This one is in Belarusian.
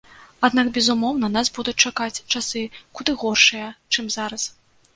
Аднак, безумоўна, нас будуць чакаць часы куды горшыя, чым зараз.